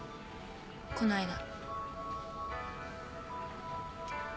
この間。